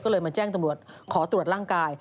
ก็เลยมาแจ้งตำรวจขอตรวจร่างกาย